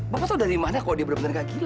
bapak tahu dari mana kok dia benar benar gak gila